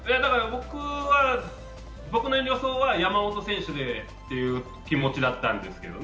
僕の予想は山本選手でという気持ちだったんですけどね。